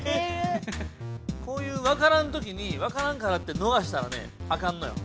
こういうわからんときにわからんからってのがしたらねあかんのよ。